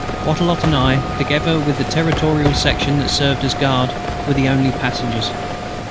Wattrelot and I, together with the Territorial section that served as guard, were the only passengers.